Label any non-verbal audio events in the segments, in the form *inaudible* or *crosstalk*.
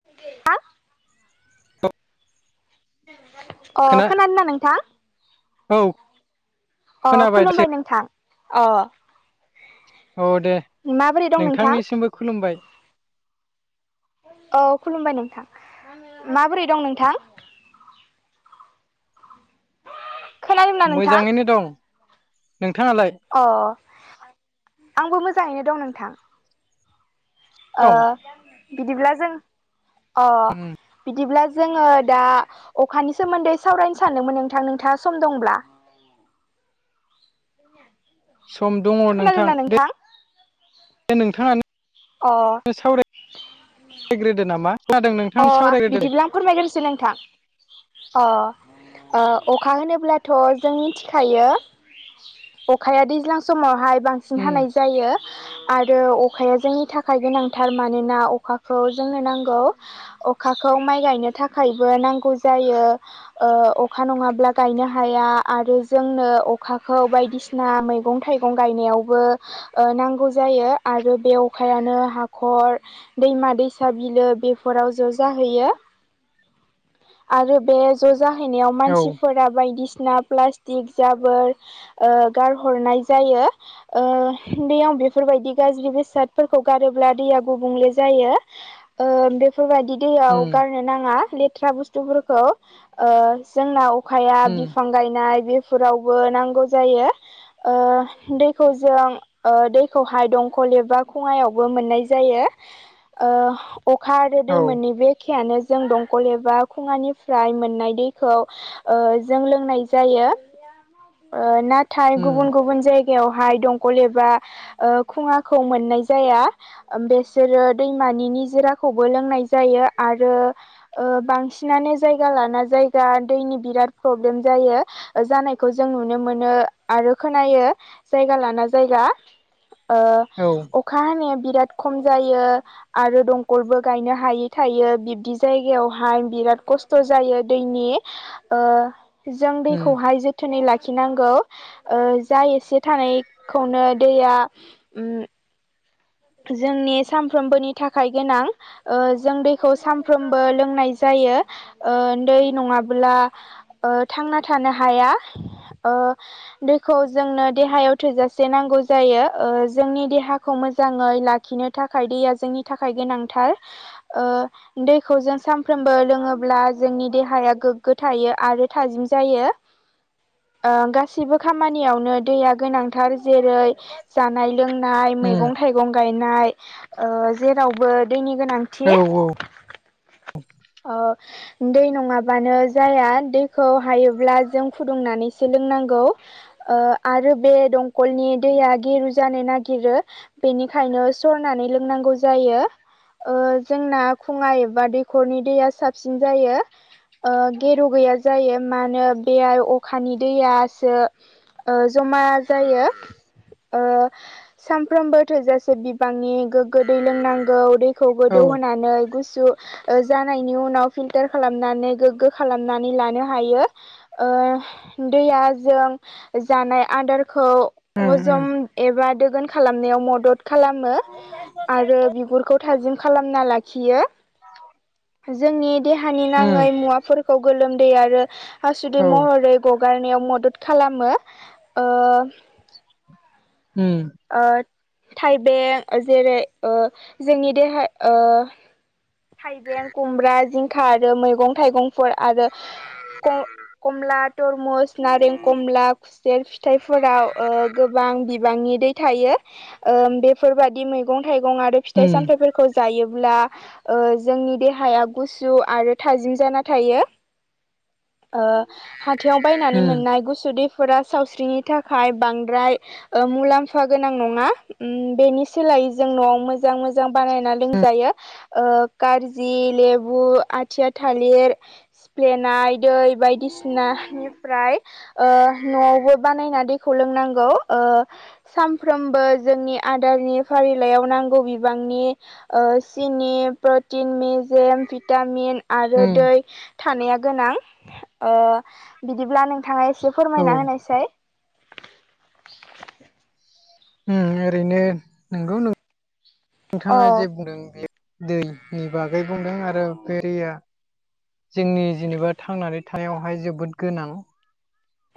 *unintelligible* अ खोना खोनादोंना नोंथां? औ अ खोनाबाय दे खुलुमबाय नोंथां अ औ दे माबोरै दं नोंथां नोंथांनिसिमबो खुलुमबाय। औ खुलुमबाय नोंथां माबोरै दं नोंथां? खोनादोंना नोंथां मोजाङैनो दं नोंथाङालाय? अ आंबो मोजाङैनो दं नोंथां। अ दं बिदिब्ला जों अ उम, बिदिब्ला जोङो दा अखानि सोमोन्दै सावरायनो सानदोंमोन नोंथां नोंथाङा सम दंब्ला सम दङ नोंथां दे दे नोंथाङानो अ खौ सावराय ग्रोदो नामा खोनादों अ नोंथाङानो सावरायग्रोदो दे बिदिब्ला आं फोरमायगोरसै नोंथां अ अ अखा होनोब्लाथ' जों मिथिखायो अखाया दैज्लां समावहाय बांसिन उम हानाय जायो आरो अखाया जोंनि थाखाय गोनांथार मानोना अखाखौ जोंनो नांगौ अखाखौ माइ गायनो थाखायबो नांगौ जायो ओ अखा नङाब्ला गायनो हाया आरो जोंनो अखाखौ बायदिसि ना मैगं थाइगं गायनायावबो ओ नांगौ जायो आरो बे अखायानो हाखर दैमा दैसा बिलो बे फोराव ज' जाहैयो आरो बे ज' जाहैनायाव औ मानसिफोरा बायदिसिना प्लास्टिक जाबोर ओ गारहरनाय जायो। ओ दैयाव बेफोरबायदि गाज्रि बेसादफोरखौ गारोब्ला दैया गुबुंले जायो ओन दो बेफोरबायदि दैयाव उम गारनो नाङा लेथ्रा बुस्थुफोरखौ ओ जोंनाव अखाया उम बिफां गायनाय बेफोरावबो नांगौ जायो ओ दैखौ जों ओ दैखौहाय दंखल एबा खङायावबो मोननाय जायो ओ अखा आरो दै औ मोन्नैबो खेयानो जों दंखल एबा खुङानिफ्राय मोननाय दैखौ ओ जों लोंनाय जायो ओ नाथाय उम गुबुन गुबुन जाय गायावहाय दंखल एबा खुङाखौ मोननाय जाया बेसोरो दैमानि निजोराखौबो लोंनाय जायो आरो ओ बांसिनानो जायगा लाना जायगा दैनि बिराद प्रब्लेम जायो जानायखौ जों नुनो मोनो आरो खोनायो जायगा लाना जायगा ओ औ अखा हानाया बिराद खम जायो आरो दंखलबो गायनो हा हायि थायो बिब्दि जायगायावहाय बिराद खस्थ' जायो दैनि ओ जों उम दैखौहाय जोथोनै लाखिनांगौ ओ जा एसे थानायखौनो दैया उम जोंनि सामफ्रोमबोनि थाखाय गोनां ओ जों दैखौ सामफ्रोमबो लोंनाय जायो ओ दै नङाब्ला ओ थांना थानो हाया ओ दैखौ जोंनो देहायाव थोजासे नांगौ जायो ओ जोंनि देहाखौ मो जाङै लाखिनो थाखाय दैया जोंनि थाखाय गोनांथार ओ दैखौ जों सामफ्रोमबो लोङोब्ला जोंनि देहाया गोग्गो थायो आरो थाजिम जायो ओ गासिबो खामानियावनो दैया गोनांथार जेरै जानाय लोंनाय उम मैगं थाइगं गायनाय ओ जेरावबो दैनि गोनां औ थेयो ओ दै नङाबानो जाया दैखौ हायोब्ला जों फुदुंनानैसो लोंनांगौ ओ आरो बे दंखलनि दैया गिरु जानो नागिरो बेनिखायनो सरनानै लोंनांगौ जायो ओ जोंना खुङा एबा दैखरनि दैया साबसिन जायो ओ गेरु गैया जायो मानो बेआय अखानि दैयासो ओ जमा जायो ओ सानफ्रोमबो थोजासे बिबांनि गोग्गो दै लोंनांगौ दैखौ औ गोदौ होनानै गु सु ओ जानायनि उनाव फिलटार खालामनानै गोग्गो खालामनानै लानो हायो ओ दैया जों जानाय आदारखौ उम उम हजम एबा दोगोन खालामनायाव मदद खालामो आरो बिगुरखौ थाजिम खालामना लाखियो जोंनि देहानि नाङै उम मुवाफोर खौ गोलोमदै आरो आसुदै औ महरै गगारनायाव मदद खालामो ओ हम ओ थाइबें जेरै ओ जोंनि देहा ओ थाइबें खुमब्रा जिंखा आरो मैगं थाइगं फोर आरो ख-खमला तरमुस नारें कमला सेर फिथाइफोराव ओ गोबां बिबांनि दै थायो ओम बेफोरबादि मैगं थाइगं आरो फिथाइ उम सामथाइफोरखौ जायोब्ला जोंनि देहाया गुसु आरो थाजिम जाना थायो ओ हाथायाव बायनानै उम मोननाय गुसु दैफोरा सावस्रिनि थाखाय बांद्राय ओ मुलाम्फा गोनां नङा उम बेनि सोलायै जों न'आव मोजां मोजां बानायना लोंजायो खारजि लेबु आथिया थालिर फ्लेनाय दै बायदिसिनानिफ्राय ओ न'आवबो बानायना दैखौ लोंनांगौ ओ सानफ्रोमबो जोंनि आदारनि फारिलाइयाव नांगौ बिबांनि ओ सिन नि प्रटिन मेजेम भिटामिन आरो उम दै थानाया गोनां ओ बिदिब्ला नोंथाङा एसे औ फोरमायना होनायसै ओं ओरैनो नोंगौ अ नोंथाङा जे बुंदों बेयो दैनि बागै बुंदों आरो बे दैया जोंनि जेनेबा थांनानै थानायावहाय जोबोद गोनां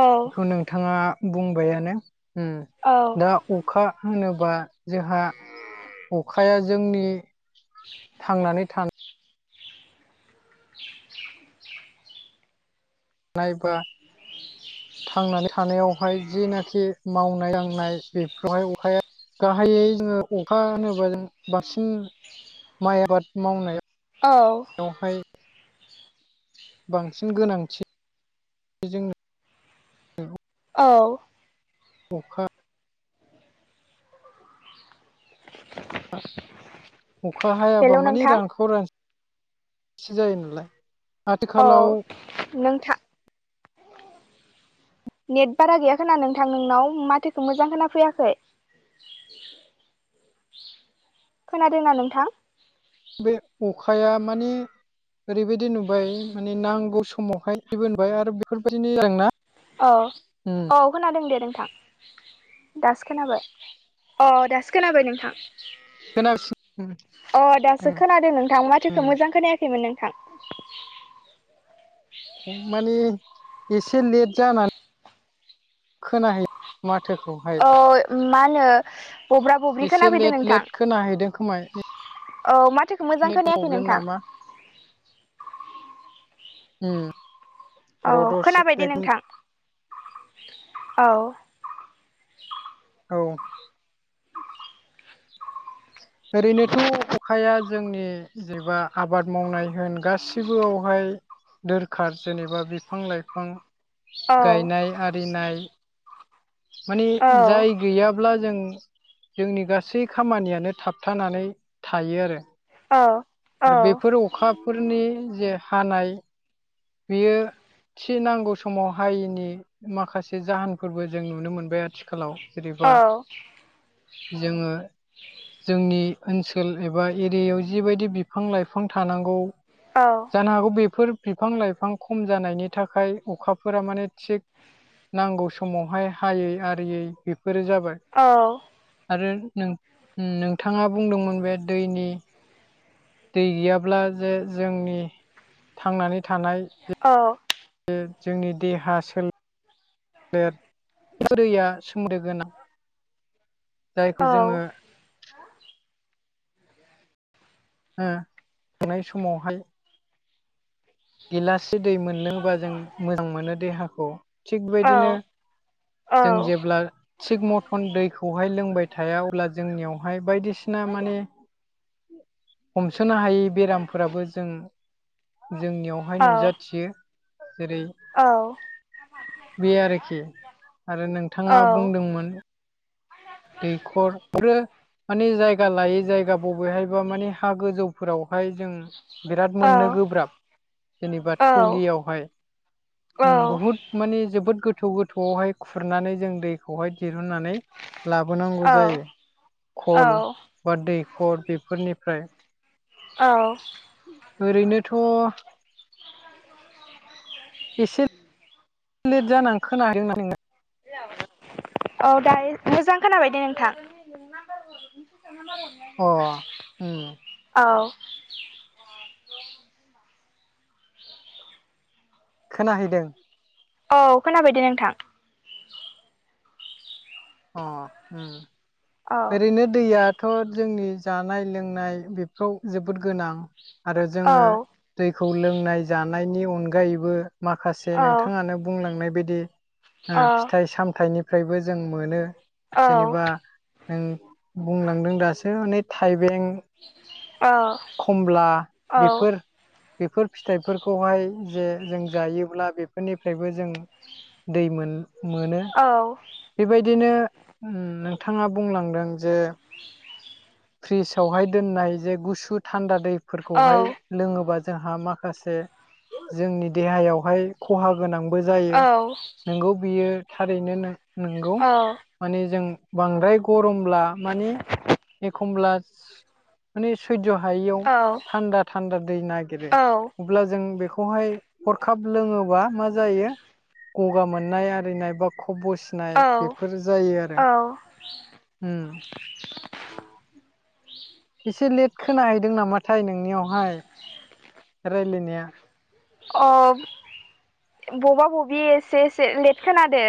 औ खौ नोंथाङा बुंबायानो उम औ दा अखा होनोबा जोंहा अखाया जोंनि थांनानै थान नायबा थांनानै थानायावहाय जिनाखि मावनाय दांनाय बेफोरावहाय अखाया गाहायै जोङो अखा होनोबा जों बांसिन माइ आबाद मावनायाव औ बेवहाय बांसिन गोनांथि जों औ अखा अखा हायाबा हेलौ माने नोंथां रानखाव रानसि जायो नालाय औ आथिखालाव नोंथा नेट बारा गैया खोना नोंथां नोंनाव माथोखौ मोजां खोना फैयाखै खोनादोंना नोंथां? बे अखाया माने ओरैबायदि नुबाय माने नांगौ समावहाय बेबायदि नुबाय आरो बेफोरबायदिनो जादों ना अ औ खोनादों दे नोंथां दासो खोनाबाय अ दासो खोनाबाय नोंथां खोनागासिनो अ दासो उम खोनादों नोंथां माथोखौ उम मोजां खोनायाखैमोन नोंथां माने एसे लेट जाना खोनाहै माथोखौहाय अ मा होनो बब्रा बब्रि एसे खोना फैदों लेट नोंथां लेट खोनाहैदों खोमा औ माथोखौ मोजां खोनायाखै नोंथां ओम औ खोनाबायदे नोंथां औ औ ओरैनोथ अखाया जोंनि जेबा आबाद मावनाय होन गासिबोआवहाय दोरखार जेनेबा बिफां लाइफां औ गायनाय आरिनाय माने औ जाय गैयाब्ला जों जोंनि गासै खामानियानो थाबथानानै थायो आरो औ आरो बेफोर अखाफोरनि जे हानाय बेयो थि नांगौ समाव हायिनि माखासे जाहोनफोरबो जों नुनो मोनबाय आथि खालाव जेरैबा जोङो जोंनि ओनसोल एबा एरियायाव जिबायदि बिफां लाइफां थानांगौ औ जानो हागौ बेफोर बिफां लाइफां खम जानायनि थाखाय अखाफोरा माने थिग नांगौ समावहाय हायै आरियै बेफोरो जाबाय औ आरो नों नोंथाङा बुंदोंमोन बे दैनि दै गैयाब्ला जे जोंनि थांनानै थानाय औ जोंनि देहा सो लेर *unintelligible* सोमदोगोनां जायखौ जोङो ओ थानाय समावहाय गिलासि दै मोनलोङोबा जों मोजां मोनो देहाखौ थिगबायदिनो जों जेब्ला थिग मथन दैखौहाय लोंबाय थाया अब्ला जोंनियावहाय बायदिसिना माने हमसोनो हायै बेरामफोराबो जों जोंनियावहाय नुजाथियो जेरै बे आरोखि आरो नोंथाङा बुंदोंमोन दैखर फ्रो मानि जायगा लायै जायगा बबेहायबा मानि हा गोजौफोरावहाय जों बिराद मोननो गोब्राब जेनेबा थौलियावहाय औ बुहुद माने जोबोद गोथौ गोथौआवहाय खुरनानै जों दैखौहाय दिहुननानै लाबोनांगौ जायो खल बा दैखर बेफोरनिफ्राय औ ओरैनोथ' एसे लेट जानानै खोनाहादों नमा नों औ दायो मोजां खोनाबायदि नोंथां *unintelligible* अ ओम औ खोनाहैदों औ खोनाबायदे नोंथां अ ओम औ ओरैनो दैया थ' जोंनि जानाय लोंनाय बेफोराव जोबोद गोनां आरो औ जोङो दैखौ लोंनाय जानायनि अनगायैबो माखासे औ नोंथाङानो बुंलांनाय बायदि औ ओ फिथाइ-सामथाइनिफ्रायबो जों मोनो औ जेनेबा नों बुंलांदों दासो नै थाइबें औ खमला औ बेफोर बेफोर फिथाइफोरखौहाय जे जों जायोब्ला बेफोरनिफ्रायबो जों दैमोन मोनो औ बेबायदिनो नोंथाङा बुंलांदों जे फ्रिजवहाय दोननाय जे गुसु थान्दा दैफोरखौहाय लोङोबा जोंहा माखासे जोंनि देहायावहाय खहा गोनांबो जायो नोंगौ बियो थारैनो नोंगौ माने जों बांद्राय गरमब्ला मानि एखनब्ला मानि सैज' हायियाव थान्दा थान्दा दै नागिरो अब्ला जों बेखौहाय हरखाब लोङोबा मा जायो गगा मोननाय आरिनाय बा खब बसिनाय बेफोर जायो आरो औ ओम एसे लेट खोनाहैदों नामाथाय नोंनियावहाय रायलायनिया अ बबा बबि एसे एसे लेट खोनादो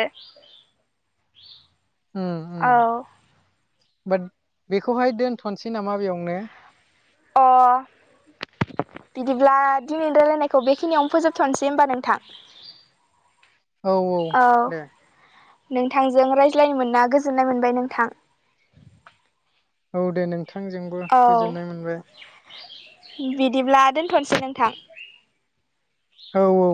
ओम ओम औ बा बेखौहाय दोनथ'नोसै नामा बेयावनो अ बिदिब्ला दिनै रायलायनायखौ बेखिनियावनो फोजोबथ'नोसै होमबा नोंथां *unintelligible* औ दे नोंथांजों रायज्लायनो मोना गोजोननाय मोनबाय नोंथां औ दे नोंथांजों औ बिदिब्ला दोनथ'नोसै नोंथां औ औ